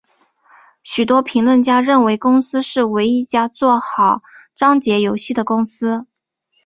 许多评论家认为公司是唯一一家做好章节游戏的公司。